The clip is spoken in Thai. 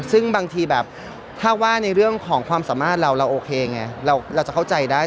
ซึ่งบางทีแบบถ้าว่าในเรื่องของความสามารถเราเราโอเคไงเราจะเข้าใจได้